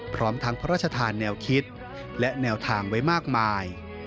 พร้อมทั้งพระราชทานแนวคิดและแนวทางไว้มากมาย